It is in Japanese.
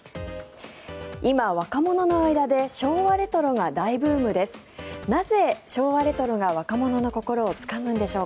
今、若者の間で昭和レトロが大ブームです。